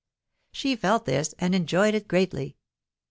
She felt this, and enjoyed it greatly.